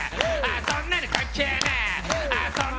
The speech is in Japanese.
そんなの関係ねえ！